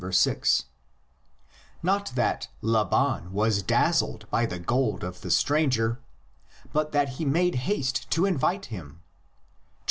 6) ; not that Laban was dazzled by the gold of the stranger, but that he made haste to invite him (xxiv.